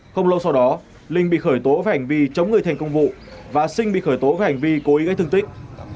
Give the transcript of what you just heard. không lâu sau đó linh bị khởi tố về hành vi chống người thành công vụ và sinh bị khởi tố về hành vi cố ý gây thương tích